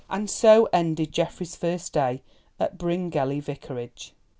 And so ended Geoffrey's first day at Bryngelly Vicarage.